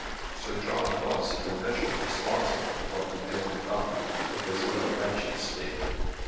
Sir John was in a measure responsible for what his mare had done, and was in a wretched state.